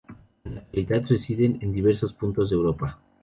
En la actualidad residen en diversos puntos de Europa.